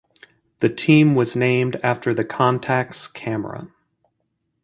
The team was named after the "Contax" camera.